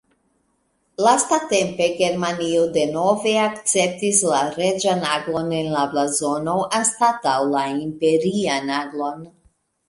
Lastatempe Germanio denove akceptis la reĝan aglon en la blazono anstataŭ la imperian aglon.